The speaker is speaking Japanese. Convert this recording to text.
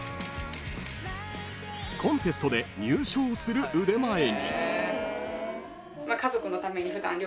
［コンテストで入賞する腕前に］